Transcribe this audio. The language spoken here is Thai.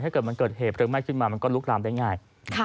ถ้าเกิดมันเกิดเหตุเพลิงไหม้ขึ้นมามันก็ลุกลามได้ง่าย